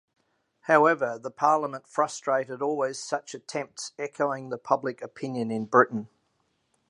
However, the Parliament frustrated always such attempts, echoing the public opinion in Britain.